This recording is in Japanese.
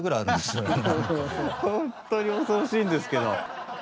ほんとに恐ろしいんですけど。